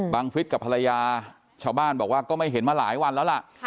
ฟิศกับภรรยาชาวบ้านบอกว่าก็ไม่เห็นมาหลายวันแล้วล่ะ